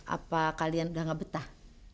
apa kalian udah gak betah